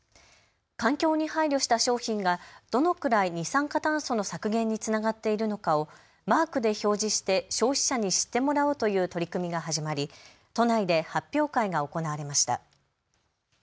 環境に配慮した商品がどのくらい二酸化炭素の削減につながっているのかをマークで表示して消費者に知ってもらおうという取り組みが始まり都内で発表会が行われました。